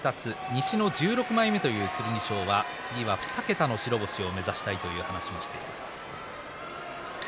西の１６枚目という剣翔は次は２桁の白星を目指したいという話をしています。